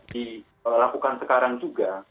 dilakukan sekarang juga